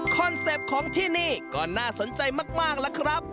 เซ็ปต์ของที่นี่ก็น่าสนใจมากล่ะครับ